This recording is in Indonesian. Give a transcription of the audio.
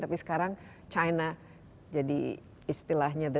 tapi sekarang china jadi istilahnya the devil